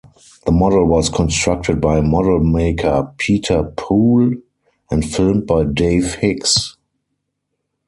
The model was constructed by model-maker Peter Poole, and filmed by Dave Hicks.